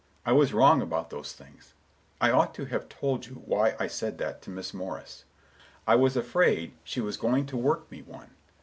I was wrong about those things. I ought to have told you why I said that to Miss Morris: I was afraid she was going to work me one.